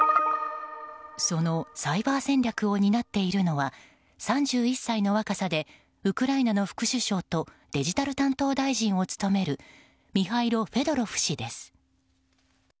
そのサイバー戦略を担っているのは３１歳の若さでウクライナの副首相とデジタル担当大臣を務めるミハイロ・フェドロフ氏です。